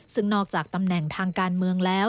ซึ่งนอกจากตำแหน่งทางการเมืองแล้ว